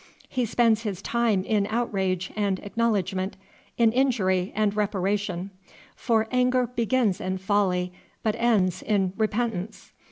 He spends his time in outrage and acknowledgment, in injury and reparation; for anger begins in folly, but ends in repentance.